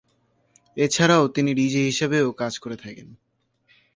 এছাড়াও তিনি ডিজে হিসেবেও কাজ করে থাকেন।